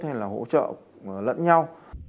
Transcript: hay là hỗ trợ lẫn nhau